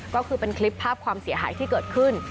ก็คือเป็นคลิปภาพความเสียหายที่เกิดขึ้น